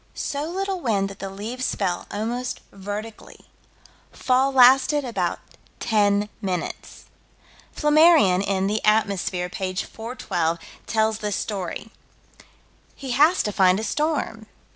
So little wind that the leaves fell almost vertically. Fall lasted about ten minutes. Flammarion, in The Atmosphere, p. 412, tells this story. He has to find a storm.